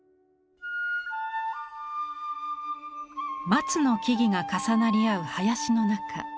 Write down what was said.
松の木々が重なり合う林の中。